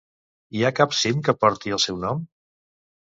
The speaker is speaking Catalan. Hi ha cap cim que porti el seu nom?